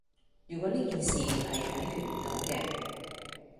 如果呢件事係解決唔到嘅